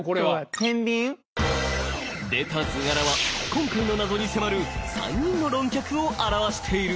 てんびん？出た図柄は今回の謎に迫る３人の論客を表している。